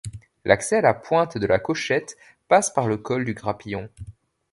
L'accès à la pointe de la Cochette passe par le col du Grapillon.